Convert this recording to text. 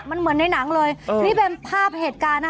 มันเหมือนในหนังเลยนี่เป็นภาพเหตุการณ์นะคะ